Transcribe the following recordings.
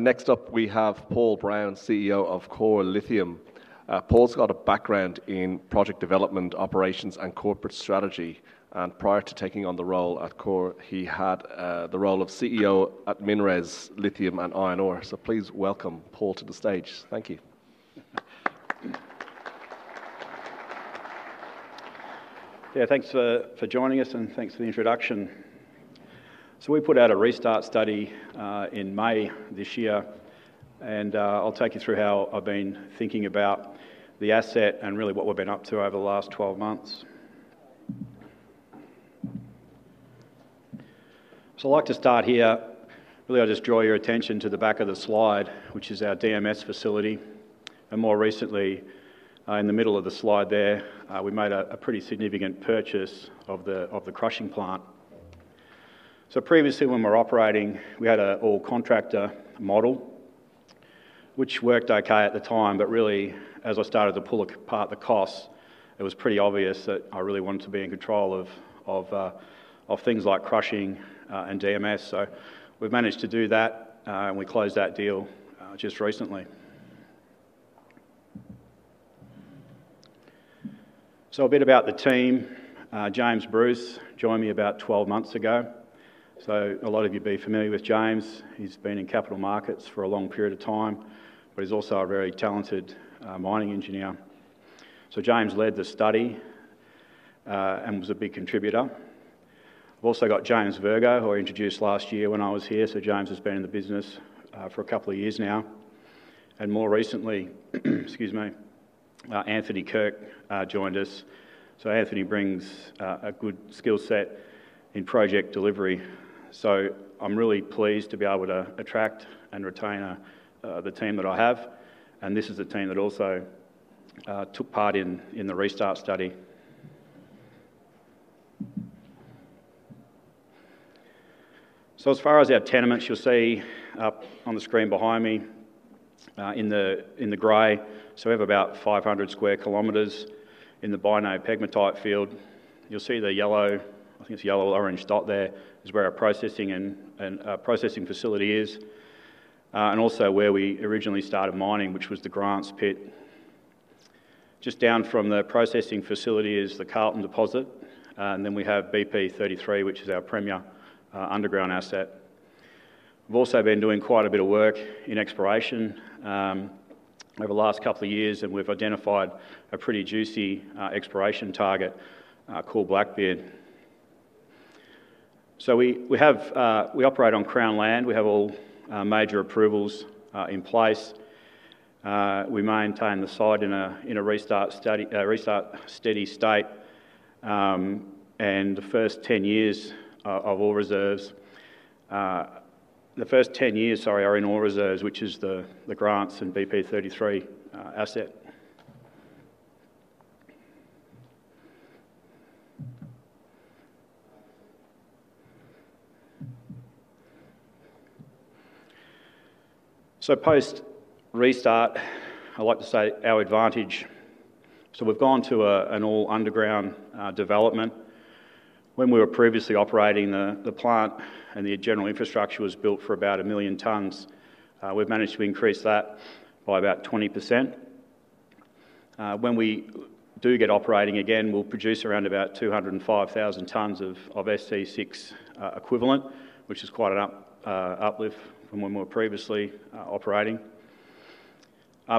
Next up, we have Paul Brown, CEO of Core Lithium. Paul's got a background in project development, operations, and corporate strategy. Prior to taking on the role at Core, he had the role of CEO at MinRes Lithium and Iron Ore. Please welcome Paul to the stage. Thank you. Yeah, thanks for joining us and thanks for the introduction. We put out a restart study in May this year, and I'll take you through how I've been thinking about the asset and really what we've been up to over the last 12 months. I'd like to start here. I'll just draw your attention to the back of the slide, which is our DMS facility. More recently, in the middle of the slide there, we made a pretty significant purchase of the crushing plant. Previously, when we were operating, we had an all-contractor model, which worked okay at the time, but really, as I started to pull apart the costs, it was pretty obvious that I really wanted to be in control of things like crushing and DMS. We've managed to do that, and we closed that deal just recently. A bit about the team. James Bruce joined me about 12 months ago. A lot of you will be familiar with James. He's been in capital markets for a long period of time, but he's also a very talented mining engineer. James led the study and was a big contributor. We've also got James Virgo, who I introduced last year when I was here. James has been in the business for a couple of years now. More recently, Anthony Kirke joined us. Anthony brings a good skill set in project delivery. I'm really pleased to be able to attract and retain the team that I have. This is the team that also took part in the restart study. As far as our tenements, you'll see up on the screen behind me in the gray. We have about 500 sq km in the Bynoe pegmatite field. You'll see the yellow, I think it's yellow or orange dot there, is where our processing facility is and also where we originally started mining, which was the Grants Pit. Just down from the processing facility is the Carlton deposit. We have BP33, which is our premier underground asset. We've also been doing quite a bit of work in exploration over the last couple of years, and we've identified a pretty juicy exploration target, Coal Blackbeard. We operate on Crown land. We have all major approvals in place. We maintain the site in a restart steady state. The first 10 years are in all reserves, which is the Grants and BP33 asset. Post-restart, I like to say our advantage. We've gone to an all-underground development. When we were previously operating the plant and the general infrastructure was built for about 1 million tons, we've managed to increase that by about 20%. When we do get operating again, we'll produce around about 205,000 tons of SC6 equivalent, which is quite an uplift from when we were previously operating.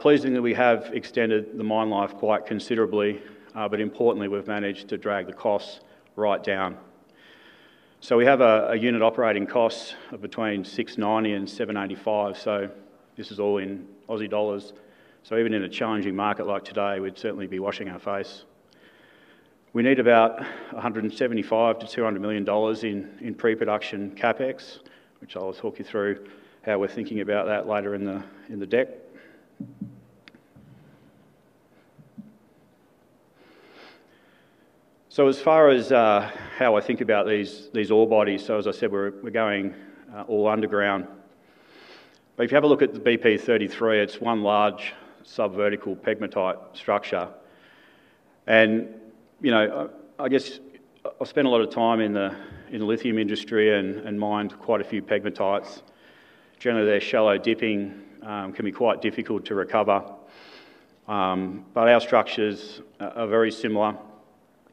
Pleasingly, we have extended the mine life quite considerably, but importantly, we've managed to drag the costs right down. We have a unit operating cost of between 690 and 785. This is all in Aussie dollars. Even in a challenging market like today, we'd certainly be washing our face. We need about 175 million-200 million dollars in pre-production CapEx, which I'll talk you through how we're thinking about that later in the deck. As far as how I think about these ore bodies, as I said, we're going all underground. If you have a look at the BP33, it's one large sub-vertical pegmatite structure. I guess I spent a lot of time in the lithium industry and mined quite a few pegmatites. Generally, they're shallow dipping, can be quite difficult to recover. Our structures are very similar.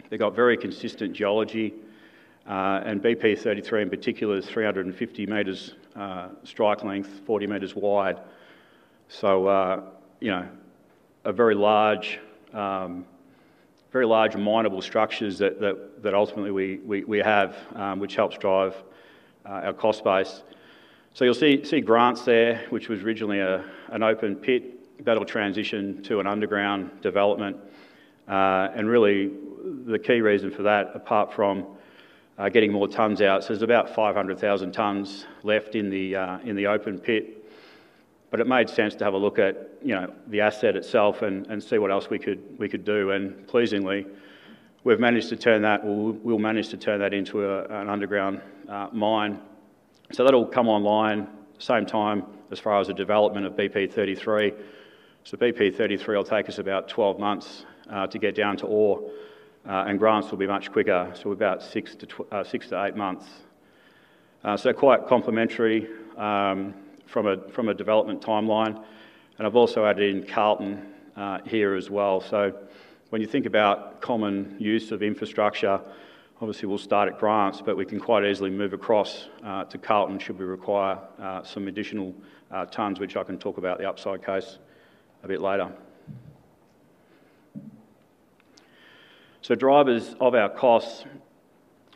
They've got very consistent geology. BP33 in particular is 350 m strike length, 40 m wide. A very large, very large minable structures that ultimately we have, which helps drive our cost base. You'll see Grants there, which was originally an open pit, better transition to an underground development. The key reason for that, apart from getting more tons out, is there's about 500,000 tons left in the open pit. It made sense to have a look at the asset itself and see what else we could do. Pleasingly, we've managed to turn that, we'll manage to turn that into an underground mine. That'll come online at the same time as far as the development of BP33. BP33 will take us about 12 months to get down to ore, and Grants will be much quicker, about six to eight months. They're quite complementary from a development timeline. I've also added in Carlton here as well. When you think about common use of infrastructure, obviously, we'll start at Grants, but we can quite easily move across to Carlton should we require some additional tons, which I can talk about the upside case a bit later. Drivers of our costs,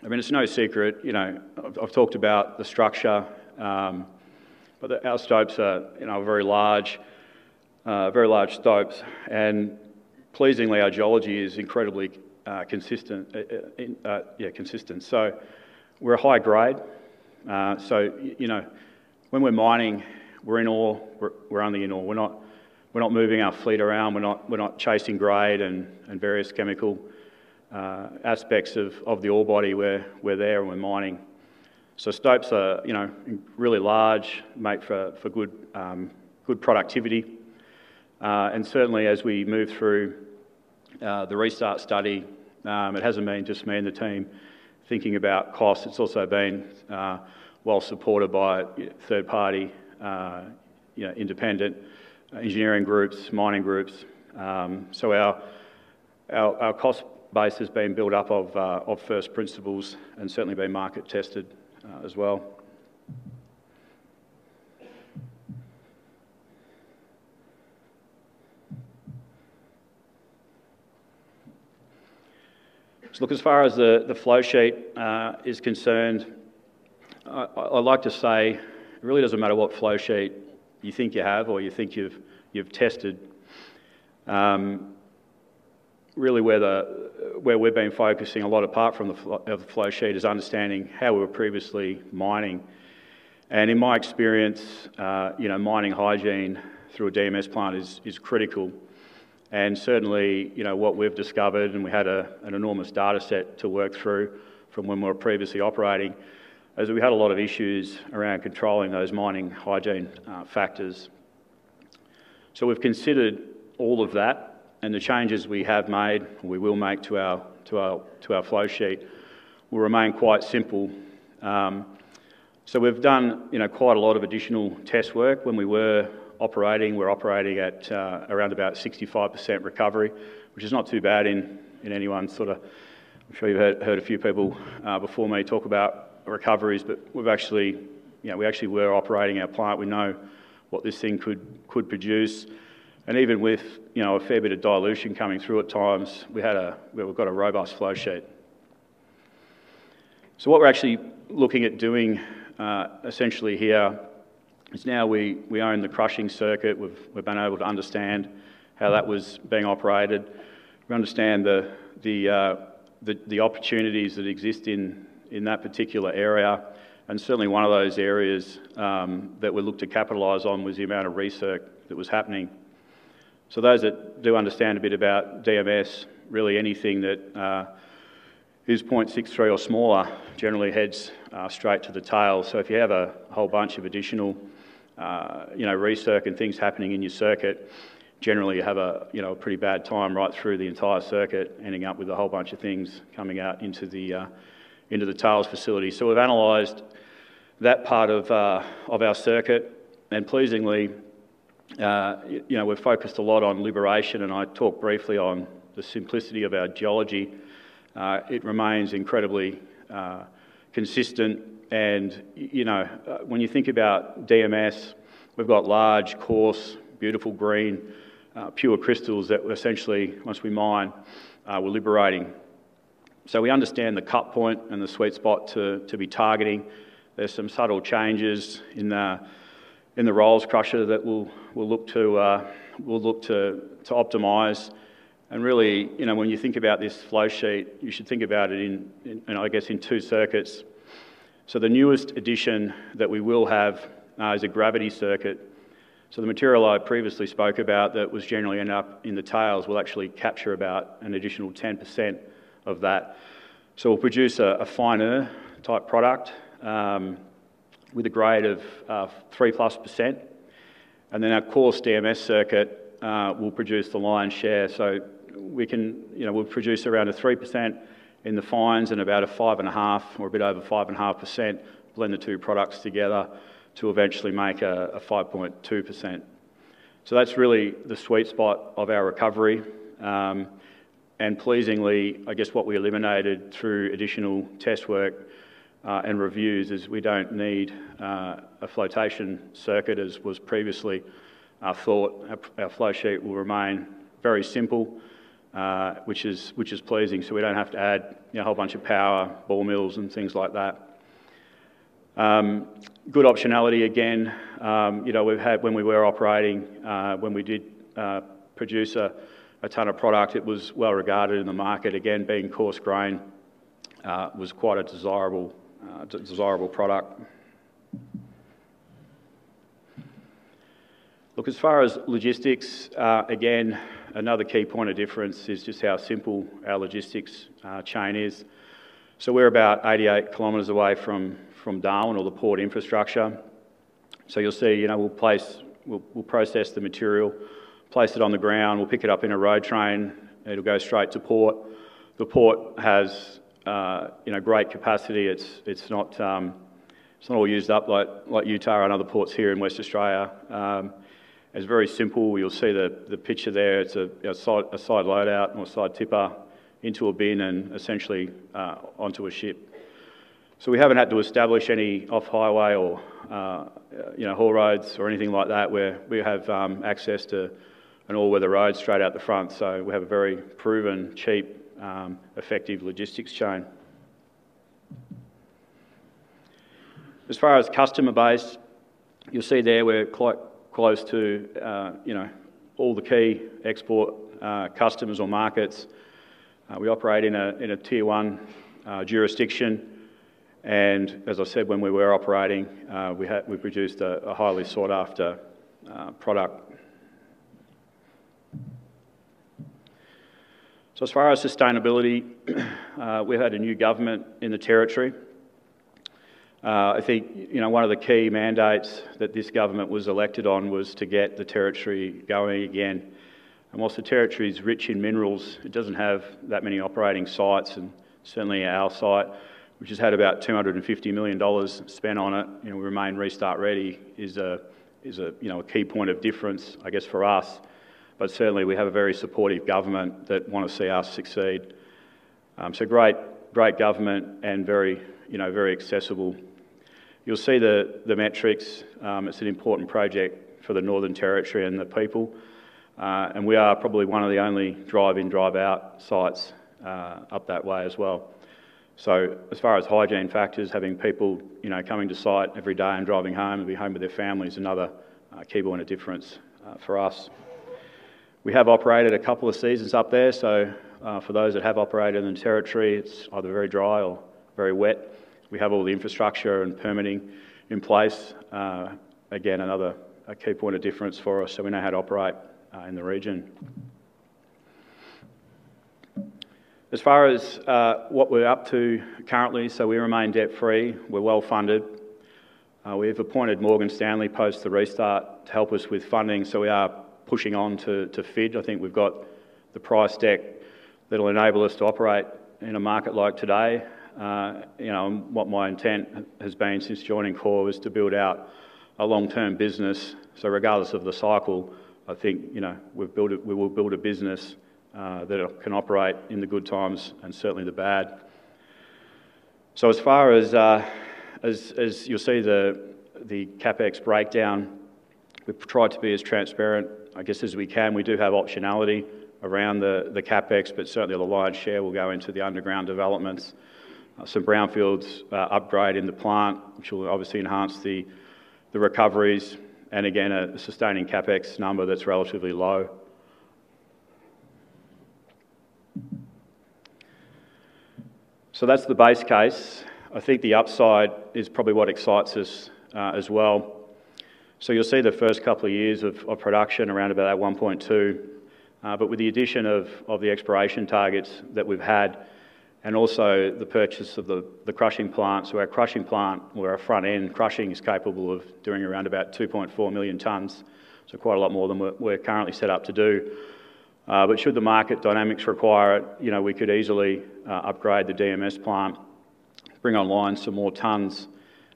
it's no secret, I've talked about the structure, but our stopes are very large, very large stopes. Pleasingly, our geology is incredibly consistent. Yeah, consistent. We're a high grade. When we're mining, we're in ore, we're only in ore. We're not moving our fleet around, we're not chasing grade and various chemical aspects of the ore body. We're there and we're mining. Stokes are really large, make for good productivity. As we move through the restart study, it hasn't been just me and the team thinking about costs. It's also been well supported by third-party, independent engineering groups, mining groups. Our cost base has been built up of first principles and certainly been market tested as well. As far as the flow sheet is concerned, I'd like to say it really doesn't matter what flow sheet you think you have or you think you've tested. Where we've been focusing a lot apart from the flow sheet is understanding how we were previously mining. In my experience, mining hygiene through a DMS plant is critical. What we've discovered, and we had an enormous data set to work through from when we were previously operating, is that we had a lot of issues around controlling those mining hygiene factors. We've considered all of that. The changes we have made or we will make to our flow sheet will remain quite simple. We've done quite a lot of additional test work when we were operating. We're operating at around about 65% recovery, which is not too bad in anyone. I'm sure you've heard a few people before me talk about recoveries, but we've actually, we actually were operating our plant. We know what this thing could produce. Even with a fair bit of dilution coming through at times, we've got a robust flow sheet. What we're actually looking at doing essentially here is now we own the crushing circuit. We've been able to understand how that was being operated. We understand the opportunities that exist in that particular area. One of those areas that we looked to capitalize on was the amount of research that was happening. Those that do understand a bit about DMS, really anything that is 0.63 or smaller generally heads straight to the tail. If you have a whole bunch of additional research and things happening in your circuit, generally you have a pretty bad time right through the entire circuit, ending up with a whole bunch of things coming out into the tails facility. We've analyzed that part of our circuit. Pleasingly, we've focused a lot on liberation, and I talked briefly on the simplicity of our geology. It remains incredibly consistent. When you think about DMS, we've got large, coarse, beautiful green, pure crystals that we're essentially, once we mine, we're liberating. We understand the cut point and the sweet spot to be targeting. There are some subtle changes in the rolls crusher that we'll look to optimize. When you think about this flow sheet, you should think about it in, I guess, two circuits. The newest addition that we will have is a gravity circuit. The material I previously spoke about that was generally ending up in the tails will actually capture about an additional 10% of that. We'll produce a finer type product with a grade of 3%+. Our coarse DMS circuit will produce the lion's share. We'll produce around a 3% in the fines and about a 5.5% or a bit over 5.5%, blend the two products together to eventually make a 5.2%. That's really the sweet spot of our recovery. Pleasingly, what we eliminated through additional test work and reviews is we don't need a flotation circuit as was previously thought. Our flow sheet will remain very simple, which is pleasing. We don't have to add a whole bunch of power, bore mills, and things like that. Good optionality again. When we were operating, when we did produce a ton of product, it was well-regarded in the market. Again, being coarse grain was quite a desirable product. As far as logistics, another key point of difference is just how simple our logistics chain is. We're about 88 km away from Darwin or the port infrastructure. You'll see we'll process the material, place it on the ground, pick it up in a road train, and it'll go straight to port. The port has great capacity. It's not all used up like Utah or other ports here in Western Australia. It's very simple. You'll see the picture there. It's a side loadout or side tipper into a bin and essentially onto a ship. We haven't had to establish any off-highway or, you know, haul roads or anything like that where we have access to an all-weather road straight out the front. We have a very proven, cheap, effective logistics chain. As far as customer base, you'll see there we're quite close to, you know, all the key export customers or markets. We operate in a Tier 1 jurisdiction. As I said, when we were operating, we produced a highly sought-after product. As far as sustainability, we've had a new government in the territory. I think one of the key mandates that this government was elected on was to get the territory going again. Whilst the territory is rich in minerals, it doesn't have that many operating sites. Certainly, our site, which has had about 250 million dollars spent on it, we remain restart ready, is a key point of difference, I guess, for us. Certainly, we have a very supportive government that wants to see us succeed. Great, great government and very, you know, very accessible. You'll see the metrics. It's an important project for the Northern Territory and the people. We are probably one of the only drive-in, drive-out sites up that way as well. As far as hygiene factors, having people, you know, coming to site every day and driving home and be home with their family is another key point of difference for us. We have operated a couple of seasons up there. For those that have operated in the territory, it's either very dry or very wet. We have all the infrastructure and permitting in place. Again, another key point of difference for us. We know how to operate in the region. As far as what we're up to currently, we remain debt-free. We're well-funded. We have appointed Morgan Stanley post the restart to help us with funding. We are pushing on to FID. I think we've got the price deck that'll enable us to operate in a market like today. What my intent has been since joining Core was to build out a long-term business. Regardless of the cycle, I think we've built it. We will build a business that can operate in the good times and certainly the bad. As you'll see, the CapEx breakdown, we've tried to be as transparent, I guess, as we can. We do have optionality around the CapEx, but certainly the lion's share will go into the underground developments. Brownfield's upgrade in the plant will obviously enhance the recoveries, and a sustaining CapEx number that's relatively low. That's the base case. I think the upside is probably what excites us as well. You'll see the first couple of years of production around about 1.2. With the addition of the exploration targets that we've had, and also the purchase of the crushing plant, our crushing plant, where our front-end crushing is capable of doing around about 2.4 million tons, is quite a lot more than we're currently set up to do. Should the market dynamics require it, we could easily upgrade the DMS plant, bring online some more tons,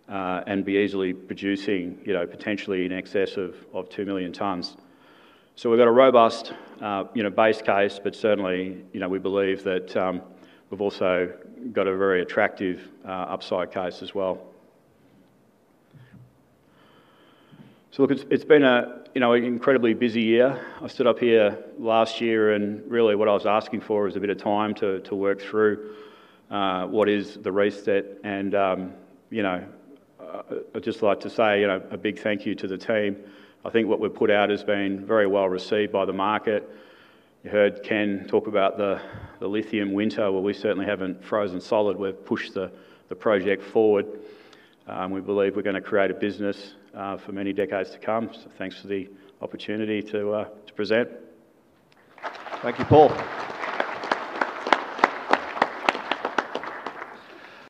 and be easily producing potentially in excess of 2 million tons. We've got a robust base case, but certainly, we believe that we've also got a very attractive upside case as well. It's been an incredibly busy year. I stood up here last year, and what I was asking for was a bit of time to work through what is the reset. I'd just like to say a big thank you to the team. I think what we've put out has been very well-received by the market. You heard Ken talk about the lithium winter. We certainly haven't frozen solid. We've pushed the project forward. We believe we're going to create a business for many decades to come. Thanks for the opportunity to present. Thank you, Paul.